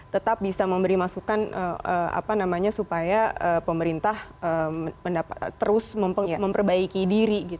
tetap bisa memberi masukan supaya pemerintah terus memperbaiki diri